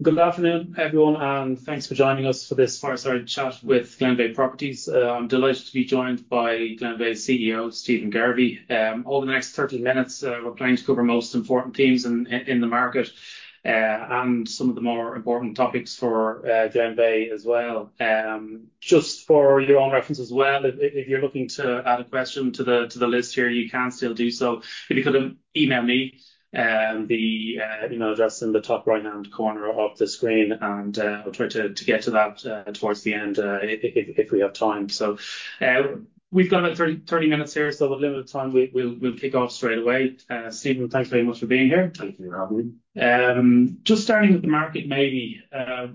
Good afternoon, everyone, and thanks for joining us for this fireside chat with Glenveagh Properties. I'm delighted to be joined by Glenveagh's CEO, Stephen Garvey. Over the next 30 minutes, we're planning to cover most important themes in the market, and some of the more important topics for Glenveagh as well. Just for your own reference as well, if you're looking to add a question to the list here, you can still do so. If you could email me the email address in the top right-hand corner of the screen, and I'll try to get to that towards the end, if we have time. So, we've got about 30 minutes here, so we're limited on time. We'll kick off straight away. Stephen, thanks very much for being here. Thank you for having me. Just starting with the market, maybe,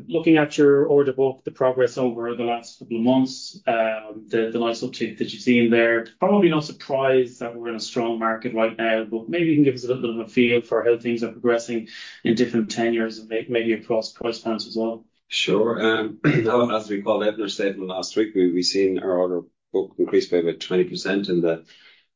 looking at your order book, the progress over the last couple of months, the nice uptick that you've seen there. Probably no surprise that we're in a strong market right now, but maybe you can give us a little bit of a feel for how things are progressing in different tenures and maybe across price points as well. Sure. As we called it in our statement last week, we, we've seen our order book increase by about 20% in the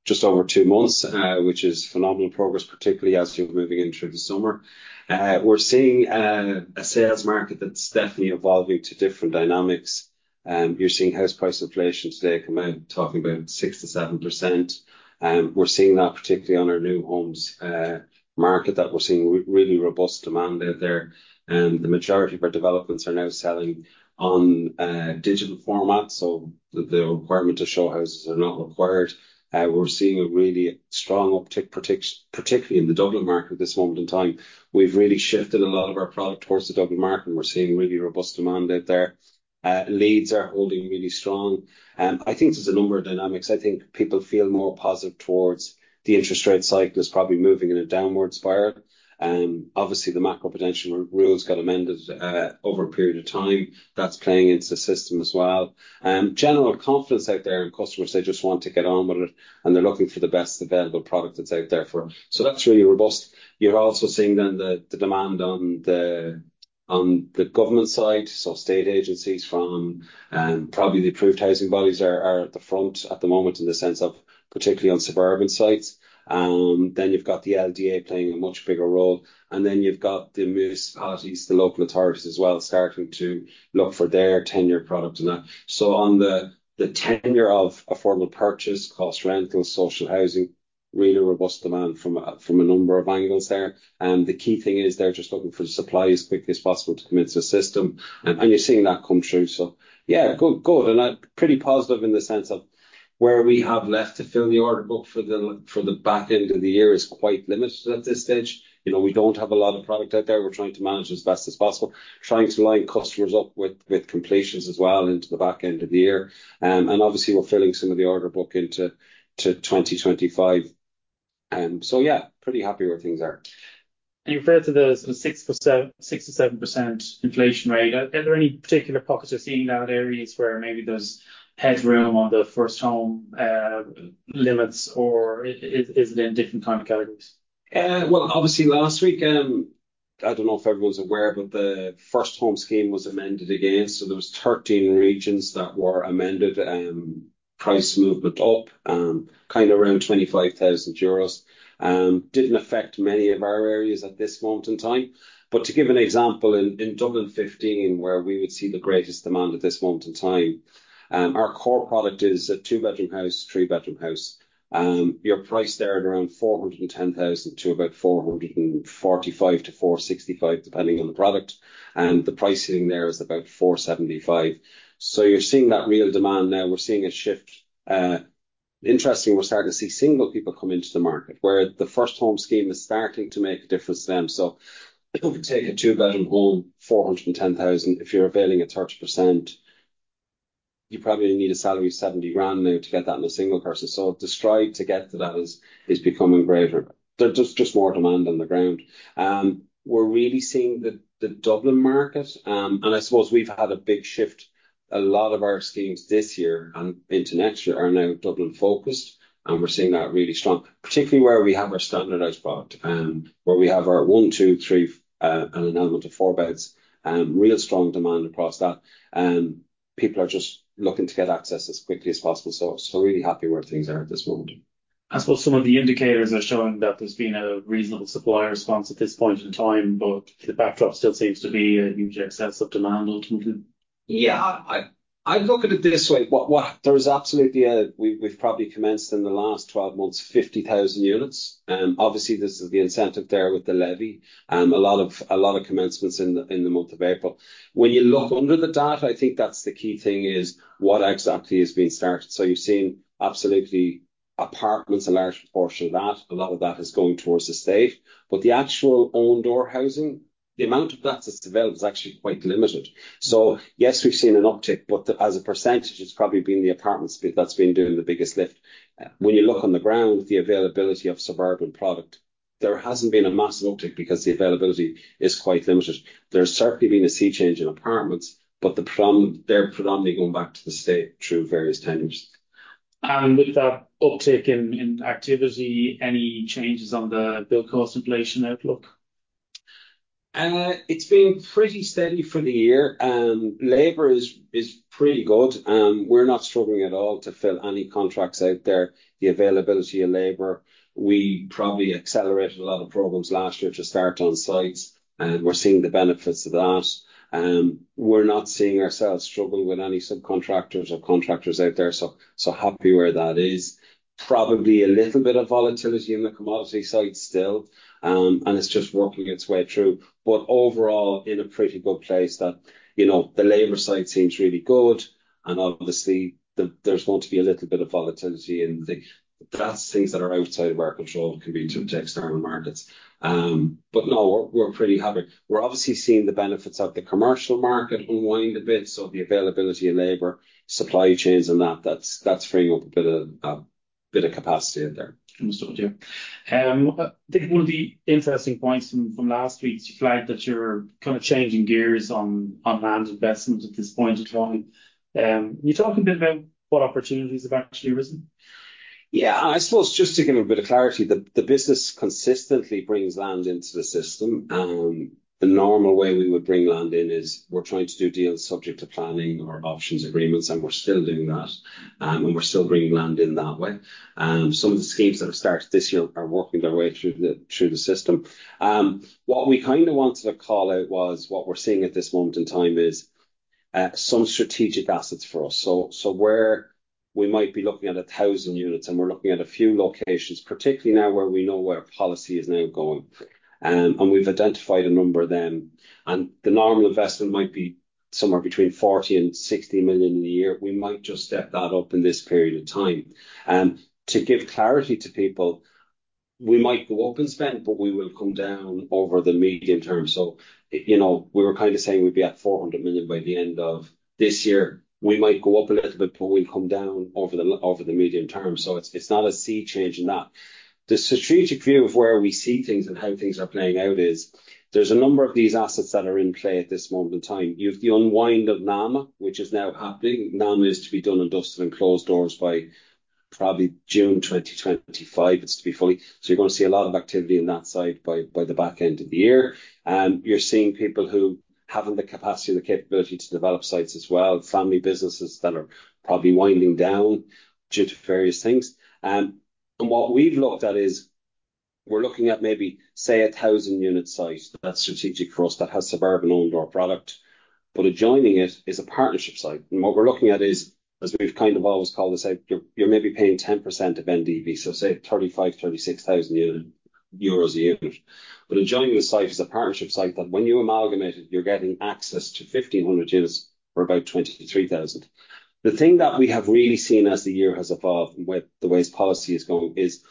just over two months, which is phenomenal progress, particularly as you're moving in through the summer. We're seeing a sales market that's definitely evolving to different dynamics. You're seeing house price inflation today come out, talking about 6%-7%, and we're seeing that particularly on our new homes market, that we're seeing really robust demand out there. And the majority of our developments are now selling on digital format, so the requirement of show houses are not required. We're seeing a really strong uptick, particularly in the Dublin market at this moment in time. We've really shifted a lot of our product towards the Dublin market, and we're seeing really robust demand out there. Leads are holding really strong, and I think there's a number of dynamics. I think people feel more positive towards the interest rate cycle is probably moving in a downward spiral. Obviously, the macro-prudential rules got amended over a period of time. That's playing into the system as well. General confidence out there, and customers, they just want to get on with it, and they're looking for the best available product that's out there for them. So that's really robust. You're also seeing then the demand on the on the government side. So state agencies from probably the Approved Housing Bodies are at the front at the moment in the sense of particularly on suburban sites. Then you've got the LDA playing a much bigger role, and then you've got the municipalities, the local authorities as well, starting to look for their tenure product and that. So on the tenure of affordable purchase, cost rental, social housing, really robust demand from a number of angles there. And the key thing is they're just looking for the supply as quickly as possible to come into the system, and you're seeing that come through. So yeah, good, good, and that pretty positive in the sense of where we have left to fill the order book for the back end of the year is quite limited at this stage. You know, we don't have a lot of product out there. We're trying to manage as best as possible, trying to line customers up with completions as well into the back end of the year. And obviously, we're filling some of the order book into 2025. So yeah, pretty happy where things are. You referred to the sort of 6%, 6%-7% inflation rate. Are there any particular pockets you're seeing now in areas where maybe there's headroom on the first home limits, or is it in different kind of categories? Well, obviously, last week, I don't know if everyone's aware, but the First Home Scheme was amended again. So there were 13 regions that were amended, price movement up, kind of around 25,000 euros. Didn't affect many of our areas at this moment in time, but to give an example, in Dublin 15, where we would see the greatest demand at this moment in time, our core product is a two-bedroom house, three-bedroom house. You're priced there at around 410,000 to about 445,000 to 465,000, depending on the product, and the pricing there is about 475,000. So you're seeing that real demand now. We're seeing a shift. Interesting, we're starting to see single people come into the market, where the First Home Scheme is starting to make a difference to them. So if you take a two-bedroom home, 410,000, if you're availing at 30%, you probably need a salary of 70,000 now to get that on a single person. So the stride to get to that is becoming greater. There's just more demand on the ground. We're really seeing the Dublin market. And I suppose we've had a big shift. A lot of our schemes this year and into next year are now Dublin-focused, and we're seeing that really strong, particularly where we have our standardized product, where we have our one, two, three, and an element of four beds. Real strong demand across that, and people are just looking to get access as quickly as possible. So really happy where things are at this moment. I suppose some of the indicators are showing that there's been a reasonable supply response at this point in time, but the backdrop still seems to be a huge excess of demand, ultimately. Yeah, I look at it this way. There is absolutely. We've probably commenced in the last 12 months, 50,000 units. Obviously, this is the incentive there with the levy, a lot of commencements in the month of April. When you look under the data, I think that's the key thing, is what exactly is being started? So you've seen absolutely apartments, a large portion of that, a lot of that is going towards the state. But the actual own-door housing, the amount of that, that's developed is actually quite limited. So yes, we've seen an uptick, but as a percentage, it's probably been the apartments that that's been doing the biggest lift. When you look on the ground, the availability of suburban product, there hasn't been a massive uptick because the availability is quite limited. There's certainly been a sea change in apartments, but the problem, they're predominantly going back to the state through various tenures. With that uptick in activity, any changes on the build cost inflation outlook? ... It's been pretty steady for the year. Labor is pretty good. We're not struggling at all to fill any contracts out there. The availability of labor, we probably accelerated a lot of programs last year to start on sites, and we're seeing the benefits of that. We're not seeing ourselves struggle with any subcontractors or contractors out there, so happy where that is. Probably a little bit of volatility in the commodity side still, and it's just working its way through, but overall in a pretty good place that, you know, the labor side seems really good. And obviously, the, there's going to be a little bit of volatility in the- but that's things that are outside of our control, can be due to external markets. But no, we're pretty happy. We're obviously seeing the benefits of the commercial market unwind a bit, so the availability of labor, supply chains, and that, that's freeing up a bit of bit of capacity in there. Understood you. I think one of the interesting points from, from last week's, you flagged that you're kind of changing gears on, on land investments at this point in time. Can you talk a bit about what opportunities have actually arisen? Yeah. I suppose just to give a bit of clarity, the business consistently brings land into the system. The normal way we would bring land in is we're trying to do deals subject to planning or options agreements, and we're still doing that, and we're still bringing land in that way. And some of the schemes that have started this year are working their way through the system. What we kind of wanted to call out was, what we're seeing at this moment in time is some strategic assets for us. So where we might be looking at 1,000 units, and we're looking at a few locations, particularly now where we know where policy is now going. And we've identified a number of them, and the normal investment might be somewhere between 40- 60 million in a year. We might just step that up in this period of time. To give clarity to people, we might go up in spend, but we will come down over the medium term. So, you know, we were kind of saying we'd be at 400 million by the end of this year. We might go up a little bit, but we'll come down over the, over the medium term. So it's, it's not a sea change in that. The strategic view of where we see things and how things are playing out is, there's a number of these assets that are in play at this moment in time. You've the unwind of NAMA, which is now happening. NAMA is to be done and dusted, and closed doors by probably June 2025, it's to be fully. So you're gonna see a lot of activity on that side by the back end of the year. You're seeing people who, having the capacity and the capability to develop sites as well, family businesses that are probably winding down due to various things. And what we've looked at is, we're looking at maybe, say, a 1,000-unit site that's strategic for us, that has suburban outdoor product, but adjoining it is a partnership site. And what we're looking at is, as we've kind of always called this out, you're maybe paying 10% of GDV, so say 35,000-36,000 euros a unit. But adjoining the site is a partnership site that when you amalgamate it, you're getting access to 1,500 units or about 23,000. The thing that we have really seen as the year has evolved and with the ways policy is going, is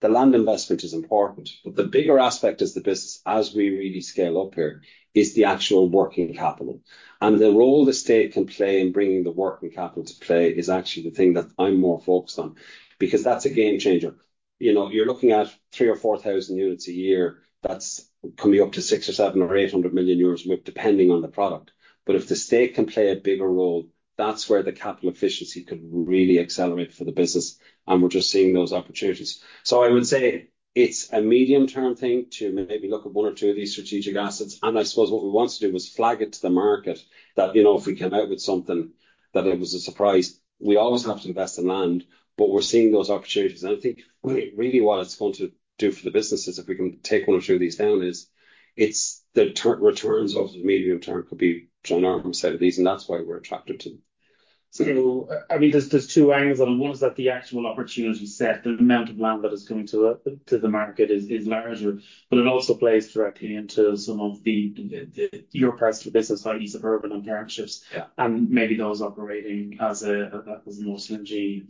the land investment is important. But the bigger aspect is the business, as we really scale up here, is the actual working capital. And the role the state can play in bringing the working capital to play is actually the thing that I'm more focused on because that's a game changer. You know, you're looking at 3,000 or 4,000 units a year, that's coming up to 600 million, 700 million, or 800 million euros, depending on the product. But if the state can play a bigger role, that's where the capital efficiency could really accelerate for the business, and we're just seeing those opportunities. So I would say it's a medium-term thing to maybe look at one or two of these strategic assets. I suppose what we wanted to do was flag it to the market that, you know, if we came out with something, that it was a surprise. We always have to invest in land, but we're seeing those opportunities, and I think really what it's going to do for the business is if we can take one or two of these down, it's the returns of the medium term could be ginormous out of these, and that's why we're attracted to them. I mean, there's two angles on it. One is that the actual opportunity set, the amount of land that is coming to the market is larger, but it also plays directly into some of the your parts for business, like suburban and partnerships- Yeah... and maybe those operating as a more synergy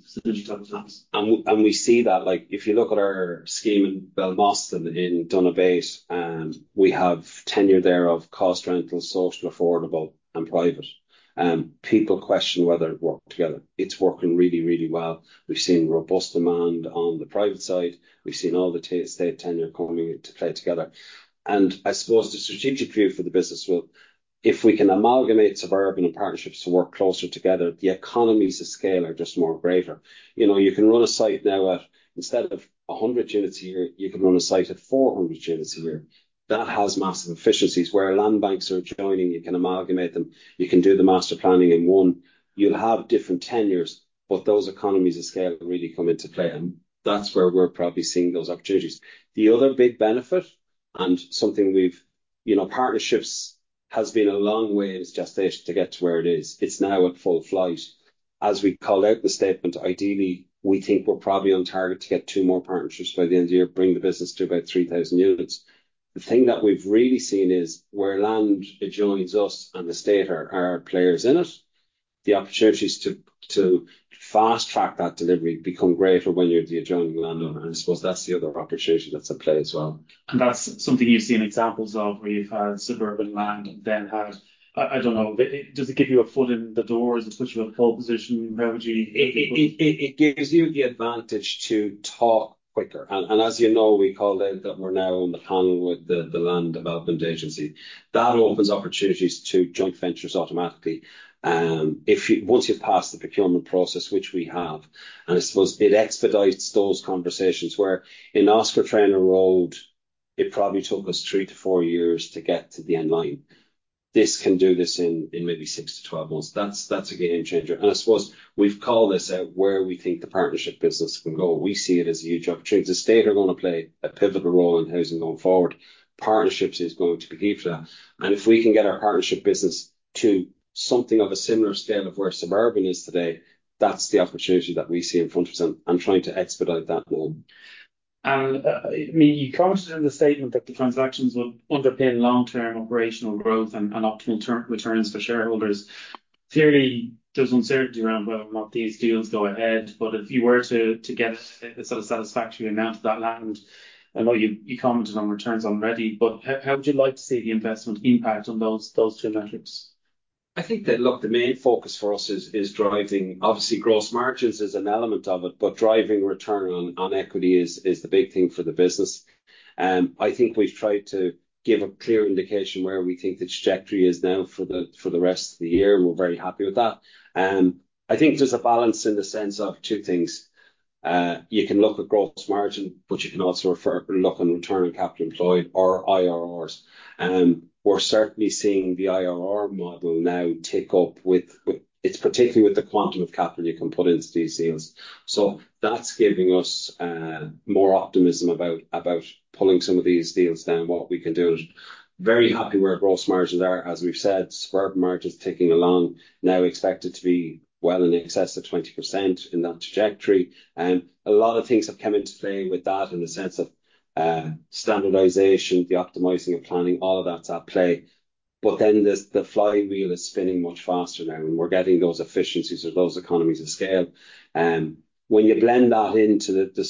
type of house. And we see that, like, if you look at our scheme in Balmoston, in Donabate, we have tenure there of cost rental, social, affordable, and private. People question whether it work together. It's working really, really well. We've seen robust demand on the private side. We've seen all the state tenure coming into play together. And I suppose the strategic view for the business, well, if we can amalgamate suburban and partnerships to work closer together, the economies of scale are just more greater. You know, you can run a site now at, instead of 100 units a year, you can run a site at 400 units a year. That has massive efficiencies, where land banks are adjoining, you can amalgamate them. You can do the master planning in one. You'll have different tenures, but those economies of scale really come into play, and that's where we're probably seeing those opportunities. The other big benefit, and something we've... You know, partnerships has been a long way as gestation to get to where it is. It's now at full flight. As we call out the statement, ideally, we think we're probably on target to get 2 more partnerships by the end of the year, bring the business to about 3,000 units. The thing that we've really seen is, where land adjoins us and the state are players in it, the opportunities to fast-track that delivery become greater when you're the adjoining landowner, and I suppose that's the other opportunity that's at play as well. That's something you've seen examples of where you've had suburban land and then had, I, I don't know, does it give you a foot in the door? Does it put you in a pole position? How would you- It gives you the advantage to talk quicker. And as you know, we called out that we're now on the panel with the Land Development Agency. That opens opportunities to joint ventures automatically. Once you've passed the procurement process, which we have, and I suppose it expedites those conversations, whereas in Oscar Traynor Road, it probably took us three to four years to get to the end line. This can do this in maybe six to 12 months. That's a game changer. And I suppose we've called this out where we think the partnership business can go. We see it as a huge opportunity. The state are gonna play a pivotal role in housing going forward. Partnerships is going to be key to that. If we can get our partnership business to something of a similar scale of where suburban is today, that's the opportunity that we see in front of us, and, and trying to expedite that goal. I mean, you commented in the statement that the transactions will underpin long-term operational growth and optimal returns for shareholders. Clearly, there's uncertainty around whether or not these deals go ahead, but if you were to get a sort of satisfactory amount of that land, I know you commented on returns already, but how would you like to see the investment impact on those two metrics? I think that, look, the main focus for us is driving. Obviously, gross margins is an element of it, but driving return on equity is the big thing for the business. I think we've tried to give a clear indication where we think the trajectory is now for the rest of the year, and we're very happy with that. I think there's a balance in the sense of two things. You can look at gross margin, but you can also look on return on capital employed or IRRs. We're certainly seeing the IRR model now tick up with it's particularly with the quantum of capital you can put into these deals. So that's giving us more optimism about pulling some of these deals down, what we can do. Very happy where our gross margins are. As we've said, suburban margins ticking along, now expected to be well in excess of 20% in that trajectory. A lot of things have come into play with that in the sense of standardization, the optimizing and planning, all of that's at play. But then the flywheel is spinning much faster now, and we're getting those efficiencies or those economies of scale. When you blend that into the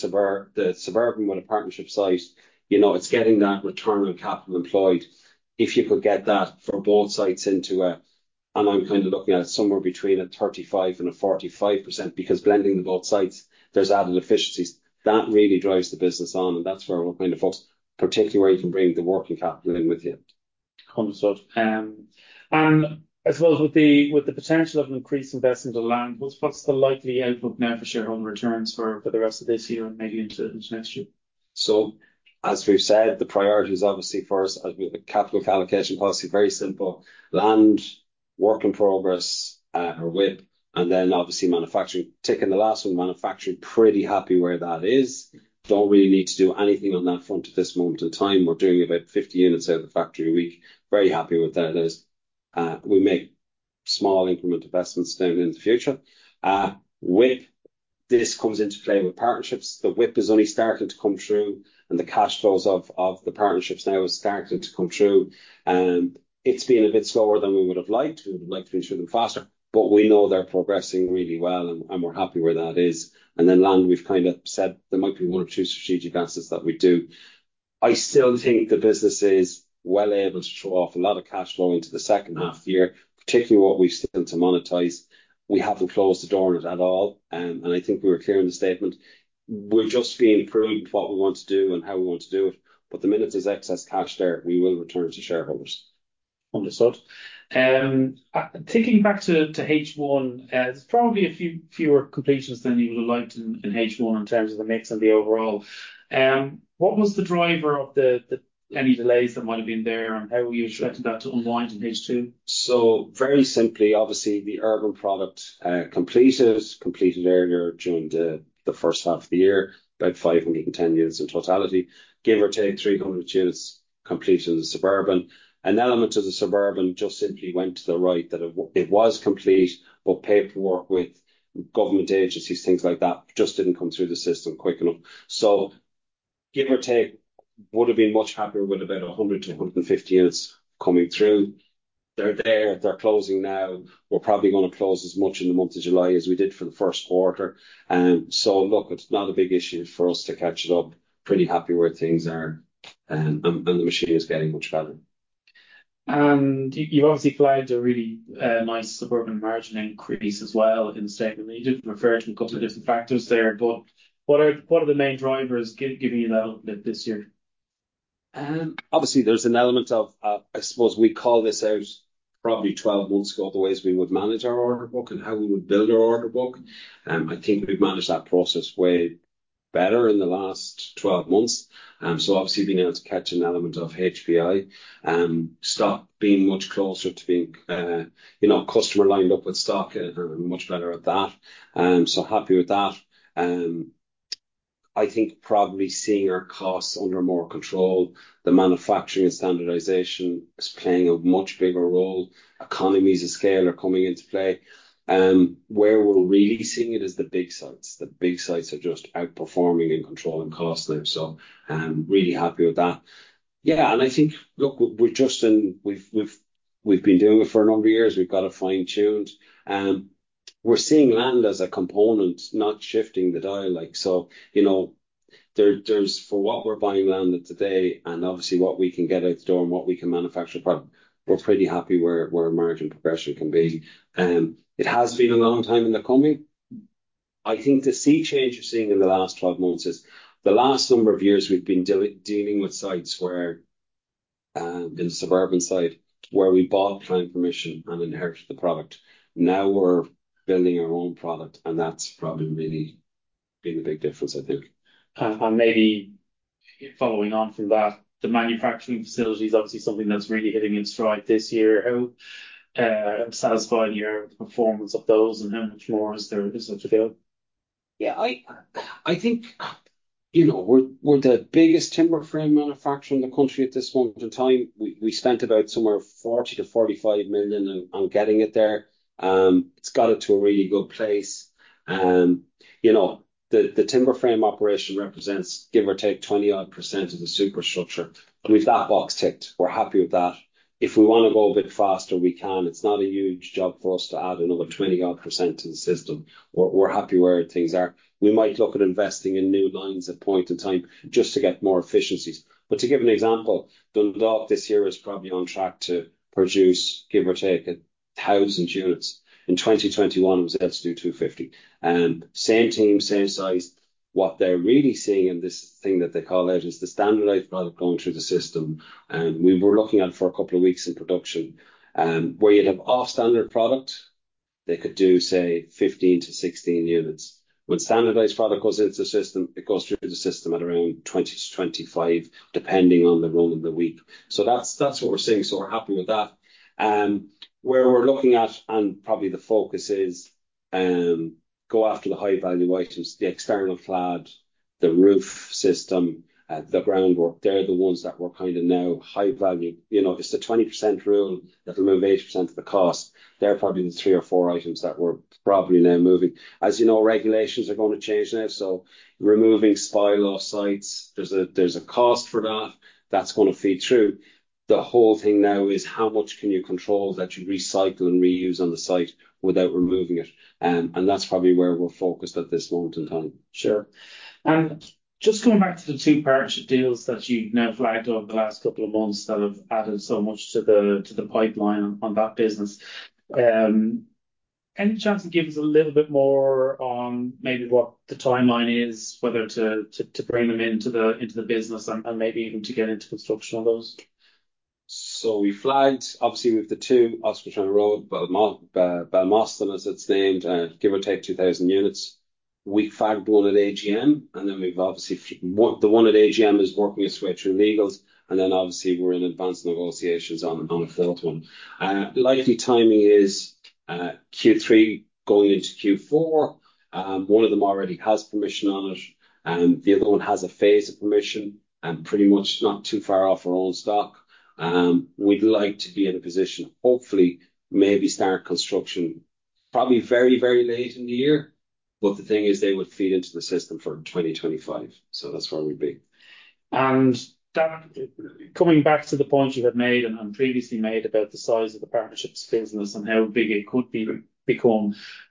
suburban with a partnership site, you know, it's getting that return on capital employed. If you could get that for both sites into a... And I'm kind of looking at it somewhere between 35% and 45%, because blending the both sites, there's added efficiencies. That really drives the business on, and that's where we're kind of focused, particularly where you can bring the working capital in with you. Understood. And I suppose with the, with the potential of an increased investment of land, what's, what's the likely outlook now for shareholder returns for, for the rest of this year and maybe into, into next year? So as we've said, the priority is obviously first, as with the capital allocation policy, very simple: land, work in progress, or WIP, and then obviously manufacturing. Ticking the last one, manufacturing, pretty happy where that is. Don't really need to do anything on that front at this moment in time. We're doing about 50 units out of the factory a week. Very happy with where that is. We may make small incremental investments down in the future. WIP, this comes into play with partnerships. The WIP is only starting to come through, and the cash flows of the partnerships now is starting to come through. It's been a bit slower than we would've liked. We would've liked to have been faster, but we know they're progressing really well, and we're happy where that is. And then land, we've kind of said there might be one or two strategic assets that we do. I still think the business is well able to throw off a lot of cash flow into the H2 of the year, particularly what we've still to monetize. We haven't closed the door on it at all, and I think we were clear in the statement. We're just being prudent with what we want to do and how we want to do it, but the minute there's excess cash there, we will return to shareholders. Understood. Ticking back to H1, there's probably a few fewer completions than you would've liked in H1 in terms of the mix and the overall. What was the driver of the any delays that might have been there, and how are you expecting that to unwind in H2? So very simply, obviously, the urban product completed earlier during the H1 of the year, about 510 units in totality. Give or take, 300 units completed in the suburban. An element of the suburban just simply went to the right, that it was complete, but paperwork with government agencies, things like that, just didn't come through the system quick enough. So give or take, would've been much happier with about 100-150 units coming through. They're there. They're closing now. We're probably gonna close as much in the month of July as we did for the Q1. So look, it's not a big issue for us to catch it up. Pretty happy where things are, and the machine is getting much better. You, you've obviously flagged a really nice suburban margin increase as well in the statement. You did refer to a couple of different factors there, but what are the main drivers giving you that lift this year? Obviously, there's an element of, I suppose we call this out probably 12 months ago, the ways we would manage our order book and how we would build our order book. I think we've managed that process way better in the last 12 months. So obviously, being able to catch an element of HPI, stock being much closer to being, you know, customer lined up with stock. We're much better at that. So happy with that. I think probably seeing our costs under more control, the manufacturing and standardization is playing a much bigger role. Economies of scale are coming into play. Where we're really seeing it is the big sites. The big sites are just outperforming and controlling costs now, so really happy with that. Yeah, and I think, look, we're just in, we've been doing it for a number of years. We've got it fine-tuned. We're seeing land as a component, not shifting the dial like, so, you know, there, there's for what we're buying land at today, and obviously, what we can get out the door and what we can manufacture, but we're pretty happy where our margin progression can be. It has been a long time in the coming. I think the sea change you're seeing in the last 12 months is, the last number of years we've been dealing with sites where, in suburban site, where we bought planning permission and inherited the product. Now we're building our own product, and that's probably really been a big difference, I think. Maybe following on from that, the manufacturing facility is obviously something that's really hitting in stride this year. How satisfied are you with the performance of those, and how much more is there to go? Yeah, I, I think, you know, we're, we're the biggest timber frame manufacturer in the country at this point in time. We, we spent about somewhere 40 million-45 million on, on getting it there. It's got it to a really good place. You know, the, the timber frame operation represents, give or take, 20-odd% of the superstructure, and we've that box ticked. We're happy with that. If we wanna go a bit faster, we can. It's not a huge job for us to add another 20-odd% to the system. We're, we're happy where things are. We might look at investing in new lines at point in time just to get more efficiencies. But to give an example, Dundalk this year is probably on track to produce, give or take, 1,000 units. In 2021 it was able to do 250. Same team, same size. What they're really seeing in this thing that they call it is the standardized product going through the system. And we were looking at for a couple of weeks in production, where you'd have off standard product, they could do, say, 15-16 units. When standardized product goes into the system, it goes through the system at around 20-25, depending on the run of the week. So that's what we're seeing. So we're happy with that. Where we're looking at, and probably the focus is, go after the high-value items, the external clad, the roof system, the groundwork. They're the ones that we're kind of now high-value. You know, it's the 20% rule that remove 80% of the cost. They're probably the three or four items that we're probably now moving. As you know, regulations are going to change now, so removing spoil off sites, there's a cost for that. That's gonna feed through. The whole thing now is how much can you control that you recycle and reuse on the site without removing it? And that's probably where we're focused at this moment in time. Sure. Just coming back to the two partnership deals that you've now flagged over the last couple of months that have added so much to the pipeline on that business. Any chance you can give us a little bit more on maybe what the timeline is, whether to bring them into the business and maybe even to get into construction on those? So we flagged, obviously, with the two Oscar Traynor Road, Balmoston, as it's named, give or take 2,000 units. We flagged one at AGM, and then we've obviously. One, the one at AGM is working its way through legals, and then obviously we're in advanced negotiations on, on a third one. Likely timing is, Q3 going into Q4. One of them already has permission on it, the other one has a phase of permission and pretty much not too far off our own stock. We'd like to be in a position, hopefully, maybe start construction probably very, very late in the year, but the thing is, they would feed into the system for 2025. So that's where we'll be. And that coming back to the point you had made and previously made about the size of the partnerships business and how big it could be,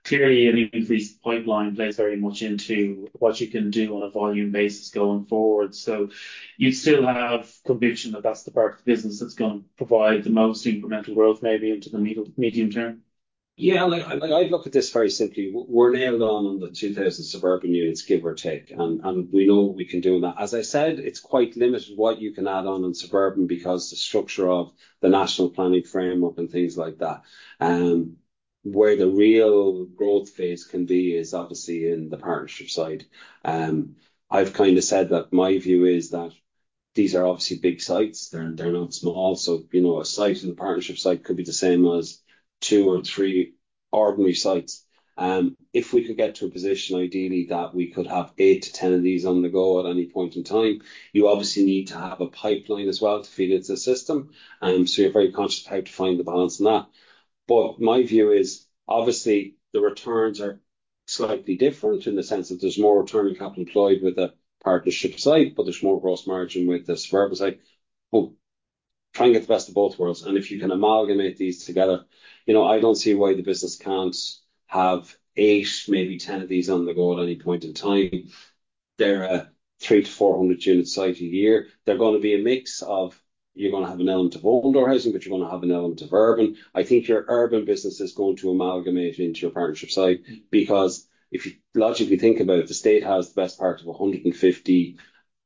clearly, any increased pipeline plays very much into what you can do on a volume basis going forward. So you still have conviction that that's the part of the business that's gonna provide the most incremental growth, maybe into the medium term? Yeah, like, like I'd look at this very simply. We're nailed on, on the 2,000 suburban units, give or take, and, and we know we can do that. As I said, it's quite limited what you can add on in suburban, because the structure of the National Planning Framework and things like that. Where the real growth phase can be is obviously in the partnership side. I've kind of said that my view is that these are obviously big sites. They're, they're not small. So, you know, a site, in the partnership site could be the same as 2 or 3 ordinary sites. If we could get to a position, ideally, that we could have 8-10 of these on the go at any point in time, you obviously need to have a pipeline as well to feed into the system. So you're very conscious of how to find the balance in that. But my view is, obviously, the returns are slightly different in the sense that there's more return on capital employed with a partnership site, but there's more gross margin with the suburban site. But try and get the best of both worlds, and if you can amalgamate these together, you know, I don't see why the business can't have 8, maybe 10 of these on the go at any point in time. They're a 300-400 unit site a year. They're gonna be a mix of, you're gonna have an element of suburban housing, but you're gonna have an element of urban housing. I think your urban business is going to amalgamate into your partnership site, because if you logically think about it, the state has the best part of 150,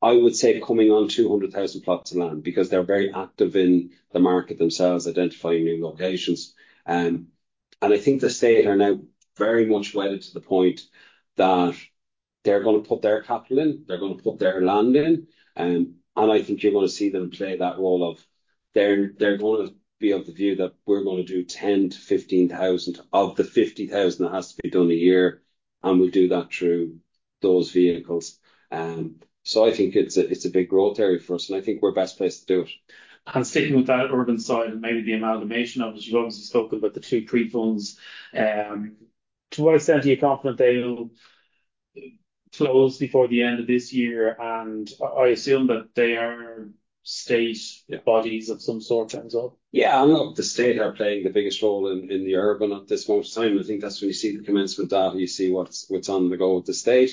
I would say coming on 200,000 plots of land, because they're very active in the market themselves, identifying new locations. And I think the state are now very much wedded to the point that they're gonna put their capital in, they're gonna put their land in. And I think you're gonna see them play that role of they're, they're gonna be of the view that we're gonna do 10,000-15,000 of the 50,000 that has to be done a year, and we'll do that through those vehicles. So I think it's a, it's a big growth area for us, and I think we're best placed to do it. Sticking with that urban side and maybe the amalgamation of it, you've obviously spoken about the two pre-funds. To what extent are you confident they will close before the end of this year? And I, I assume that they are state bodies of some sort as well. Yeah, I know the state are playing the biggest role in the urban at this moment in time. I think that's when you see the commencement data, you see what's on the go with the state.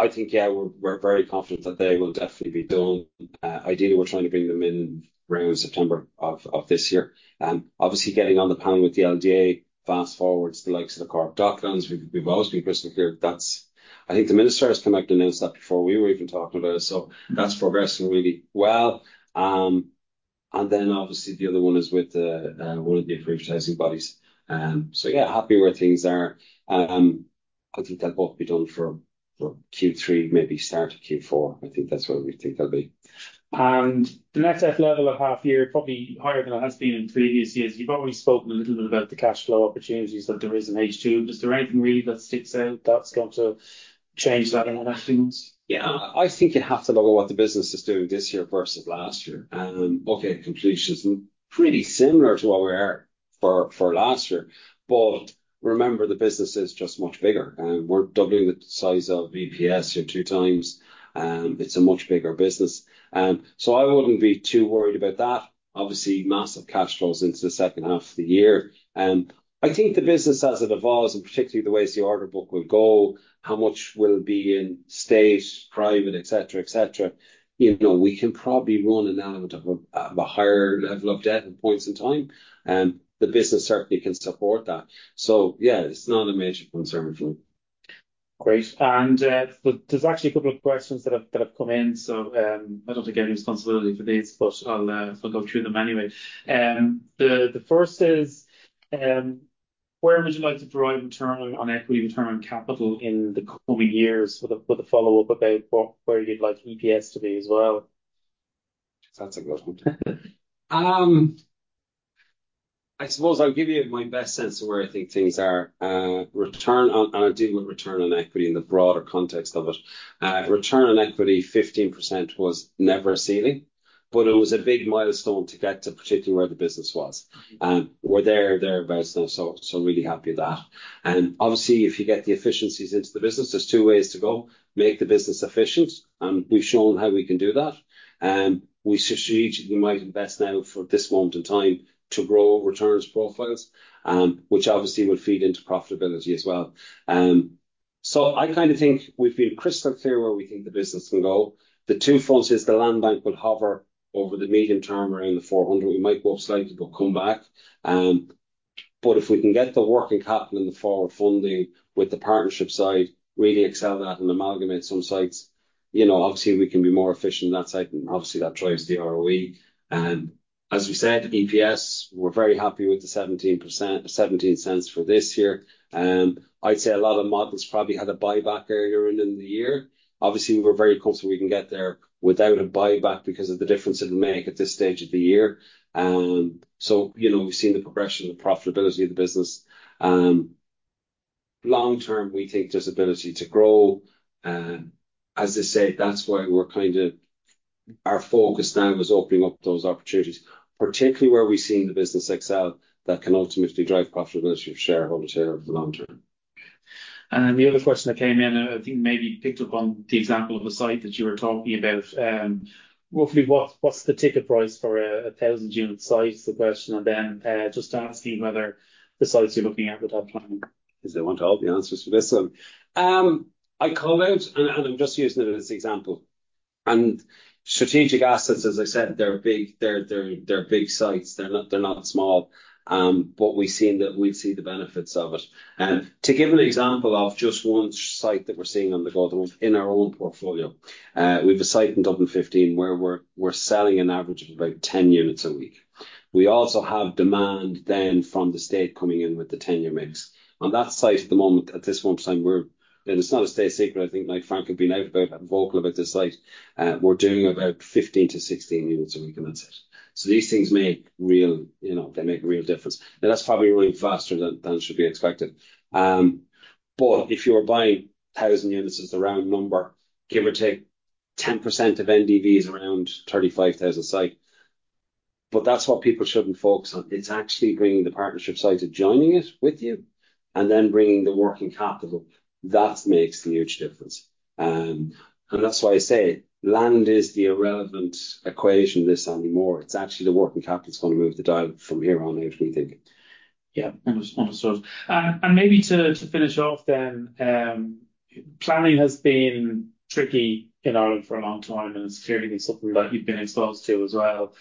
I think, yeah, we're very confident that they will definitely be done. Ideally, we're trying to bring them in around September of this year. Obviously, getting on the panel with the LDA, fast forward to the likes of the Cork Docklands. We've always been crystal clear. I think the minister has come out and announced that before we were even talking about it, so that's progressing really well. And then, obviously, the other one is with one of the privatizing bodies. So yeah, happy where things are. I think they'll both be done for Q3, maybe start of Q4. I think that's where we think they'll be. The net debt level at half year, probably higher than it has been in previous years. You've already spoken a little bit about the cash flow opportunities that there is in H2. Is there anything really that sticks out that's going to change that in the next few months? Yeah, I think you have to look at what the business is doing this year versus last year, and okay, completions are pretty similar to what we were for last year. But remember, the business is just much bigger, and we're doubling the size of EPS here two times. It's a much bigger business. So I wouldn't be too worried about that. Obviously, massive cash flows into the H2 of the year. I think the business, as it evolves, and particularly the way the order book will go, how much will it be in state, private, et cetera, et cetera, you know, we can probably run an element of a higher level of debt at points in time. The business certainly can support that. So yeah, it's not a major concern for me. Great. And, there's actually a couple of questions that have come in, so, I don't think any responsibility for these, but I'll go through them anyway. The first is, where would you like to provide return on equity, return on capital in the coming years? With a follow-up about what, where you'd like EPS to be as well. That's a good one. I suppose I'll give you my best sense of where I think things are. Return on a deal with return on equity in the broader context of it. Return on equity, 15% was never a ceiling, but it was a big milestone to get to, particularly where the business was. We're thereabouts now, so really happy with that. And obviously, if you get the efficiencies into the business, there's two ways to go: make the business efficient, and we've shown how we can do that. We strategically might invest now for this moment in time to grow returns profiles, which obviously will feed into profitability as well. So I kind of think we've been crystal clear where we think the business can go. The two fronts is the land bank will hover over the medium term, around the 400. We might go up slightly, but come back. But if we can get the working capital and the forward funding with the partnership side, really excel that and amalgamate some sites, you know, obviously, we can be more efficient on that side, and obviously, that drives the ROE. As we said, EPS, we're very happy with the 0.17 for this year. I'd say a lot of the models probably had a buyback earlier in the year. Obviously, we're very comfortable we can get there without a buyback because of the difference it'll make at this stage of the year. So, you know, we've seen the progression of the profitability of the business. Long term, we think there's ability to grow. As I say, that's why we're kind of our focus now is opening up those opportunities, particularly where we've seen the business excel, that can ultimately drive profitability for shareholder value over the long term. The other question that came in, I think maybe picked up on the example of a site that you were talking about. Roughly, what's the ticket price for a 1,000-unit site, is the question, and then just asking whether the sites you're looking at are top planning. 'Cause they want all the answers for this one. I call out, and I'm just using it as an example. And strategic assets, as I said, they're big. They're big sites. They're not small, but we've seen that we'd see the benefits of it. To give an example of just one site that we're seeing on the ground in our own portfolio. We've a site in Dublin 15 where we're selling an average of about 10 units a week. We also have demand then from the state coming in with the tenure mix. On that site at the moment, at this point in time, we're... And it's not a state secret. I think, like Frank has been out about, vocal about this site. We're doing about 15-16 units a week, and that's it. So these things make real, you know, they make a real difference, and that's probably running faster than, than should be expected. But if you were buying 1,000 units as the round number, give or take, 10% of NDV is around 35,000 a site. But that's what people shouldn't focus on. It's actually bringing the partnership site to joining it with you and then bringing the working capital. That makes the huge difference. And that's why I say land is the irrelevant equation to this anymore. It's actually the working capital that's gonna move the dial from here on out, we think. Yeah, understood. And maybe to finish off then, planning has been tricky in Ireland for a long time, and it's clearly something that you've been exposed to as well.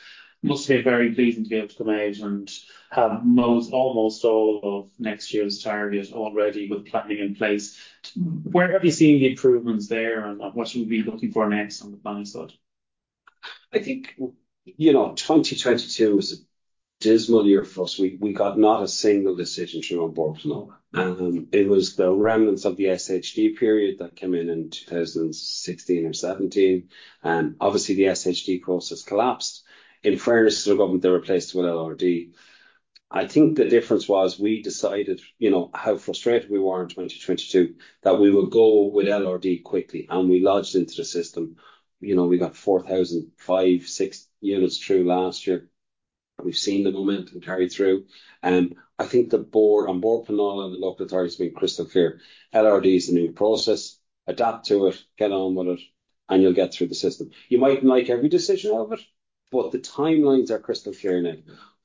Must be very pleasing to be able to come out and have most, almost all of next year's target already with planning in place. Where have you seen the improvements there, and what should we be looking for next on the planning side? I think, you know, 2022 was a dismal year for us. We got not a single decision through An Bord Pleanála. It was the remnants of the SHD period that came in in 2016 or 2017, and obviously, the SHD process collapsed. In fairness to the government, they replaced it with LRD. I think the difference was we decided, you know, how frustrated we were in 2022, that we would go with LRD quickly, and we lodged into the system. You know, we got 4,000, 5,000, 6,000 units through last year. We've seen the momentum carry through, and I think An Bord Pleanála, the local authority has been crystal clear. LRD is the new process. Adapt to it, get on with it, and you'll get through the system. You mightn't like every decision out of it, but the timelines are crystal clear now.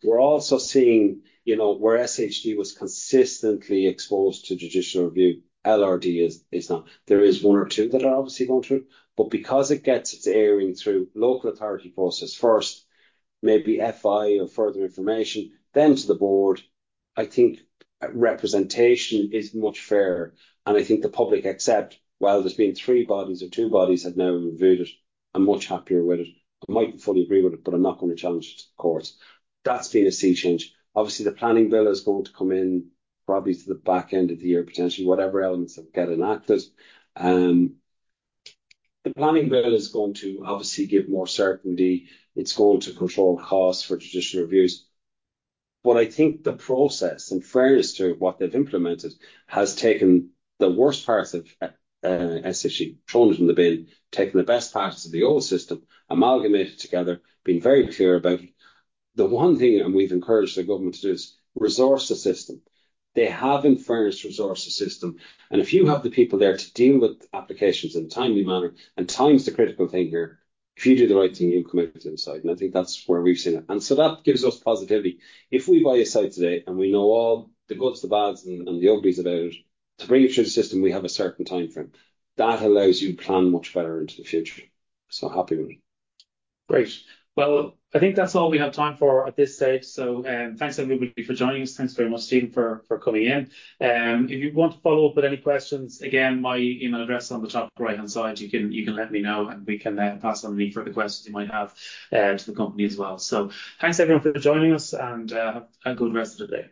We're also seeing, you know, where SHD was consistently exposed to judicial review, LRD is, is not. There is one or two that are obviously going through, but because it gets its airing through local authority process first, maybe FI or further information, then to the board, I think representation is much fairer, and I think the public accept, while there's been three bodies or two bodies, have now reviewed it and much happier with it. I mightn't fully agree with it, but I'm not gonna challenge it to the court. That's been a sea change. Obviously, the planning bill is going to come in probably to the back end of the year, potentially, whatever elements that will get enacted. The planning bill is going to obviously give more certainty. It's going to control costs for traditional reviews. But I think the process, in fairness to what they've implemented, has taken the worst parts of SHD, thrown it in the bin, taken the best parts of the old system, amalgamated together, being very clear about it. The one thing, and we've encouraged the government to do, is resource the system. They have, in fairness, resourced the system, and if you have the people there to deal with applications in a timely manner, and time's the critical thing here. If you do the right thing, you'll come out with the other side, and I think that's where we've seen it. And so that gives us positivity. If we buy a site today, and we know all the goods, the bads, and, and the uglies about it, to bring it through the system, we have a certain timeframe. That allows you to plan much better into the future, so happy with it. Great. Well, I think that's all we have time for at this stage, so thanks, everybody, for joining us. Thanks very much, Stephen, for coming in. If you want to follow up with any questions, again, my email address on the top right-hand side. You can let me know, and we can pass on any further questions you might have to the company as well. So thanks, everyone, for joining us, and have a good rest of the day.